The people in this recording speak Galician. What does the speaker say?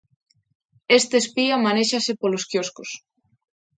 Este espía manéxase polos quioscos.